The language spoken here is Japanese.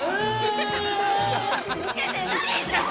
ウケてないじゃん！